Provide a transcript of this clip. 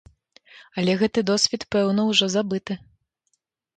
Але гэты досвед, пэўна, ужо забыты.